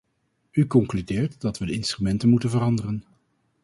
U concludeert dat we de instrumenten moeten veranderen.